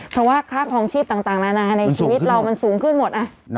เพราะว่าค่าคลองชีพต่างนานาในชีวิตเรามันสูงขึ้นหมด